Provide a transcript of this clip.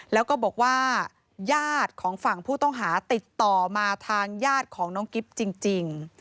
แล้วก็บอกว่าญาติของฝั่งผู้ต้องหาติดต่อมาทางญาติของน้องกิ๊บจริง